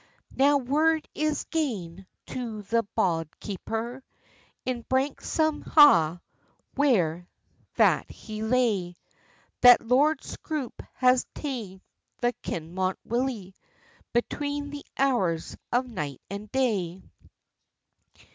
Now word is gane to the bauld Keeper, In Branksome Ha where that he lay, That Lord Scroope has taen the Kinmont Willie, Between the hours of night and day.